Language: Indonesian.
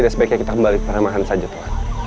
ya sebaiknya kita kembali ke ramadhan saja tuhan